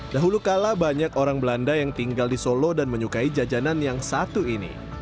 dahulu kala banyak orang belanda yang tinggal di solo dan menyukai jajanan yang satu ini